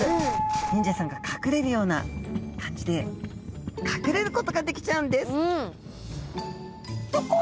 忍者さんが隠れるような感じで隠れることができちゃうんです！